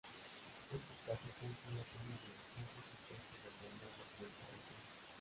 Estos casos son sólo algunos de los tantos sucesos de tornados de esta región.